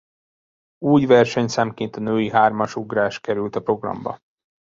Új versenyszámként a női hármasugrás került a programba.